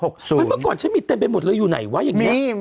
เมื่อก่อนฉันมีเต็มไปหมดเลยอยู่ไหนวะอย่างนี้